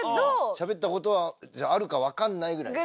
しゃべったことはあるか分かんないぐらい。